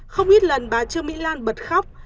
không ít lần bà trương mỹ lan bật khóc